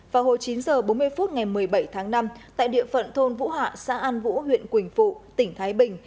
vào hồi chín h bốn mươi phút ngày một mươi bảy tháng năm tại địa phận thôn vũ hạ xã an vũ huyện quỳnh phụ tỉnh thái bình